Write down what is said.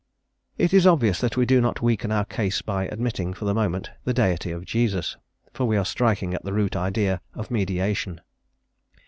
It is obvious that we do not weaken our case by admitting, for the moment, the Deity of Jesus; for we are striking at the root idea of mediation.